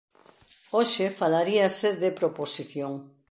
Hoxe falaríase de proposición.